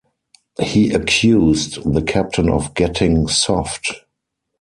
He accused the captain of getting soft.